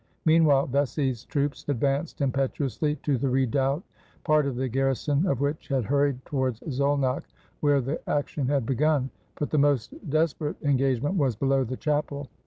Meanwhile Vecsey's troops advanced impetuously to the redoubt, part of the garrison of which had hurried towards Szolnok, where the action had begun; but the most desperate engagement was below the chapel.